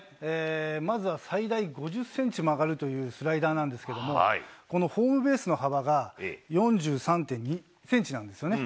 まずは最大５０センチ曲がるという、スライダーなんですけれども、このホームベースの幅が４３．２センチなんですよね。